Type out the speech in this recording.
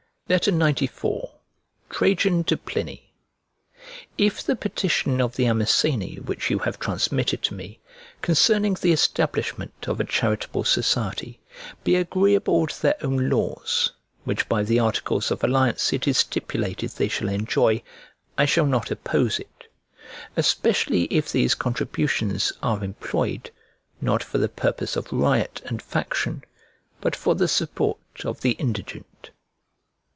XCIV TRAJAN TO PLINY IF the petition of the Amiseni which you have transmitted to me, concerning the establishment of a charitable society, be agreeable to their own laws, which by the articles of alliance it is stipulated they shall enjoy, I shall not oppose it; especially if these contributions are employed, not for the purpose of riot and faction, but for the support of the indigent.